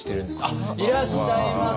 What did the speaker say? あっいらっしゃいませ！